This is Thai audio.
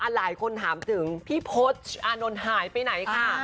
หลายคนถามถึงพี่พศอานนท์หายไปไหนค่ะ